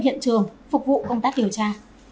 hiện trường phục vụ công tác điều tra